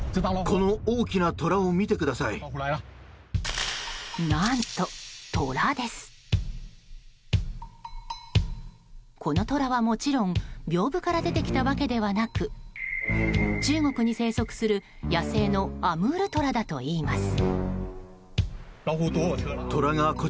このトラは、もちろん屏風から出てきたわけではなく中国に生息する野生のアムールトラだといいます。